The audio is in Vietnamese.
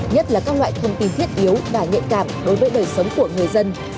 nhất là các loại thông tin thiết yếu và nhạy cảm đối với đời sống của người dân